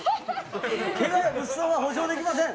けがや物損は保障できません。